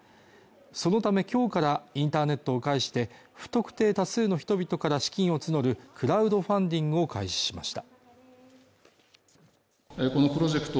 そのためきょうからインターネットを介して不特定多数の人々から資金を募るクラウドファンディングを開始しました